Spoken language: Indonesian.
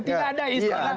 tidak ada islam